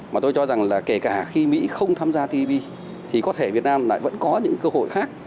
mà tôi cho rằng là kể cả khi mỹ không tham gia tv thì có thể việt nam lại vẫn có những cơ hội khác